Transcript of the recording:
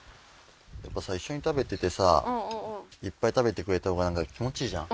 やっぱ一緒に食べててさいっぱい食べてくれた方がなんか気持ちいいじゃん